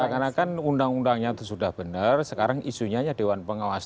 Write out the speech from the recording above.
seakan akan undang undangnya itu sudah benar sekarang isunya dewan pengawas